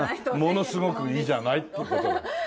ものすごくいいじゃないって事で。